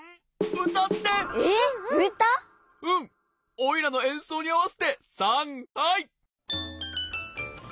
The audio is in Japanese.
おいらのえんそうにあわせてさんはい！